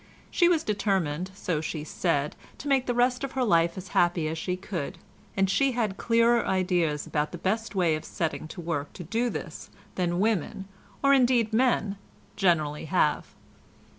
She was determined, so she said, to make the rest of her life as happy as she could, and she had clearer ideas about the best way of setting to work to do this than women, or indeed men, generally have.